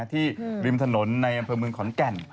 ริมถนนในอำเภอเมืองขอนแก่น